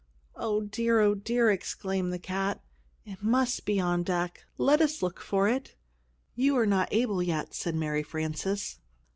"Oh, dear, oh dear!" exclaimed the cat. "It must be on deck! Let us look for it!" "You are not able yet," said Mary Frances.